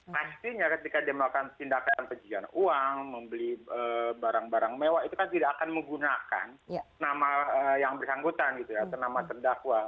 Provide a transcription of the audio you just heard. pastinya ketika dia melakukan tindakan pencucian uang membeli barang barang mewah itu kan tidak akan menggunakan nama yang bersangkutan gitu ya atau nama terdakwa